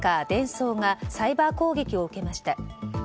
デンソーがサイバー攻撃を受けました。